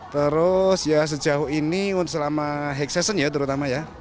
terus ya sejauh ini selama hack session ya terutama ya